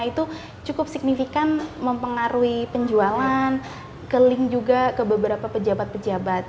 itu cukup signifikan mempengaruhi penjualan ke link juga ke beberapa pejabat pejabat